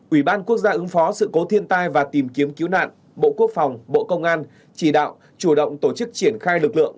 ủy ban quốc gia ứng phó sự cố thiên tai và tìm kiếm cứu nạn bộ quốc phòng bộ công an chỉ đạo chủ động tổ chức triển khai lực lượng